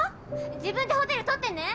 自分でホテル取ってね！